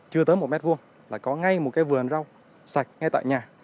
chưa tới một m hai là có ngay một cái vườn rau sạch ngay tại nhà